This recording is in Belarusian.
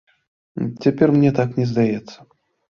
Цяпер мне так не здаецца.